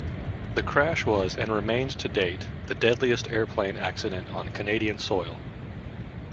The crash was and remains to date the deadliest airplane accident on Canadian soil.